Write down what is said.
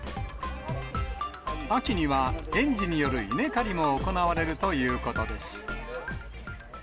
秋には園児による稲刈りも行われるということです。